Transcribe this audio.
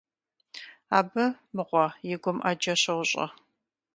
Абы, мыгъуэ, и гум Ӏэджэ щощӀэ.